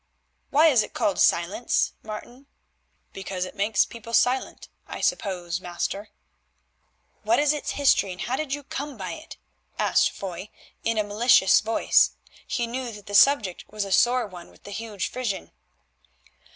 "Why is it called 'Silence,' Martin?" "Because it makes people silent, I suppose, master." "What is its history, and how did you come by it?" asked Foy in a malicious voice. He knew that the subject was a sore one with the huge Frisian.